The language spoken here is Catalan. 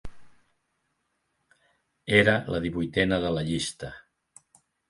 Era la divuitena de la llista.